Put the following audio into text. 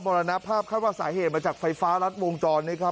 รณภาพคาดว่าสาเหตุมาจากไฟฟ้ารัดวงจรนะครับ